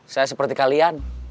saya seperti kalian